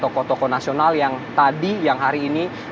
tokoh tokoh nasional yang tadi yang hari ini